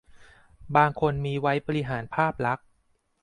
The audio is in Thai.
บางคนมีไว้บริหารภาพลักษณ์